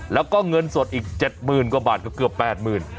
แล้วก็เงินสดอีกส้นหมื่นกว่าบาทก็เกือบแปดหมื่น